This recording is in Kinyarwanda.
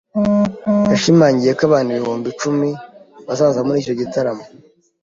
Yashimangiye ko abantu ibihumbi icumi bazaza muri icyo gitaramo.